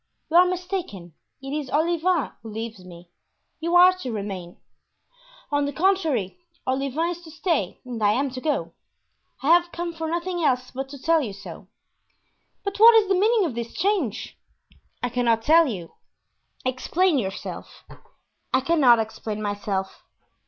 You are mistaken; it is Olivain who leaves me; you are to remain." "On the contrary, Olivain is to stay and I am to go. I have come for nothing else but to tell you so." "But what is the meaning of this change?" "I cannot tell you." "Explain yourself." "I cannot explain myself."